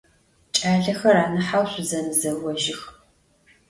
Ç'alexer, anaheu şsuzemızeojıx!